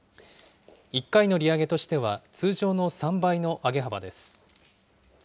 １回の利上げとしては通常の３倍の上げ幅です。